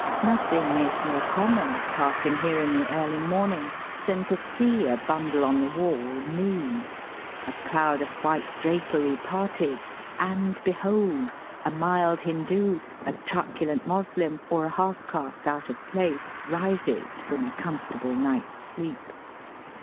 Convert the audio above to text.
Nothing is more common, passing here in the early morning, than to see a bundle on the wall move, a cloud of white drapery parted, and behold ! a mild Hindoo, a truculent Moslem,, or a half caste out of place rises from a com fortable night's sleep.